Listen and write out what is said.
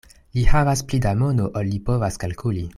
Li havas pli da mono, ol li povas kalkuli.